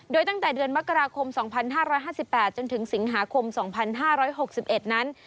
โดยตั้งแต่เดือนมกราคม๒๕๕๘จนถึงสิงหาคม๒๕๖๑นั้น